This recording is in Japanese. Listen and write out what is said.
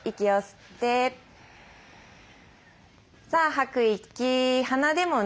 吐く息鼻でもね